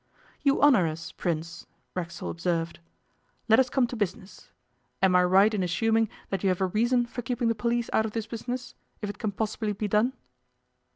'You honour us, Prince,' Racksole observed. 'Let us come to business. Am I right in assuming that you have a reason for keeping the police out of this business, if it can possibly be done?